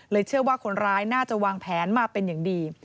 เชื่อว่าคนร้ายน่าจะวางแผนมาเป็นอย่างดี